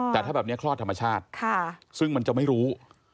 แต่ถ้าแบบนี้คลอดธรรมชาติซึ่งมันจะไม่รู้